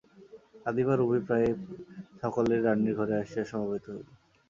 কাঁদিবার অভিপ্রায়ে সকলে রানীর ঘরে আসিয়া সমবেত হইল।